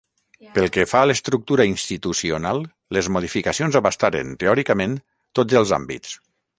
Pel que fa a l'estructura institucional, les modificacions abastaren, teòricament, tots els àmbits.